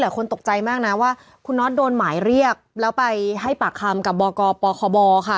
คนตกใจมากนะว่าคุณน็อตโดนหมายเรียกแล้วไปให้ปากคำกับบกปคบค่ะ